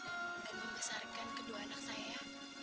dan membesarkan kedua anak saya